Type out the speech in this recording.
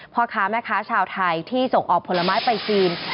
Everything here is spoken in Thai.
พ่อค้าแม่ค้าชาวไทยที่ส่งออกผลไม้ไปจีน